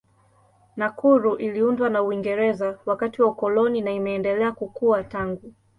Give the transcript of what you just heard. Nakuru iliundwa na Uingereza wakati wa ukoloni na imeendelea kukua tangu.